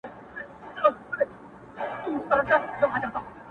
ستا په اوربل کيږي سپوږميه په سپوږميو نه سي ـ